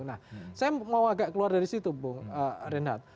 nah saya mau agak keluar dari situ bung reinhardt